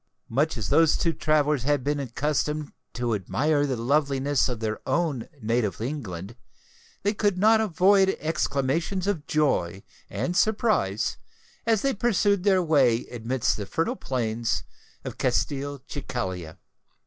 Much as those two travellers had been accustomed to admire the loveliness of their own native England, they could not avoid exclamations of joy and surprise as they pursued their way amidst the fertile plains of Castelcicala.